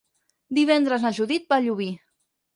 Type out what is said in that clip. Divendres na Judit va a Llubí.